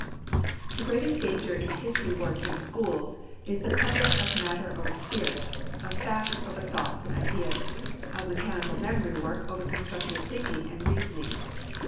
The greatest danger in history work in schools is the prevalence of matter over spirit, of facts over thoughts and ideas, of mechanical memory work over constructive thinking and reasoning.